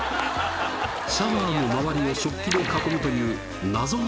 シャワーの周りを食器で囲むという本当だ何よ